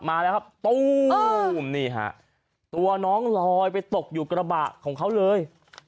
ตรู้มนี่ค่ะตัวน้องลอยไปตกอยู่กระบะของเขาเลย